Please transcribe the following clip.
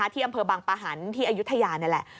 ที่อำเภอบังปะหันที่อายุทยานี่แหละ